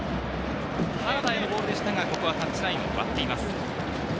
原田へのボールでしたが、タッチラインを割っています。